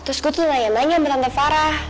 terus gue tuh nanya nanya sama tante farah